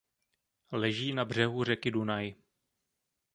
Leží na břehu řeky Dunaj.